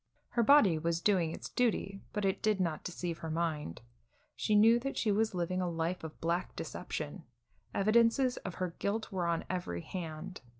Her body was doing its duty, but it did not deceive her mind. She knew that she was living a life of black deception; evidences of her guilt were on every hand.